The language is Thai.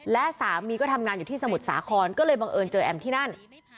และสามีก็ทำงานอยู่ที่สมุทรสาครก็เลยบังเอิญเจอแอมที่นั่น